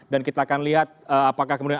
dan kita akan lihat apakah kemudian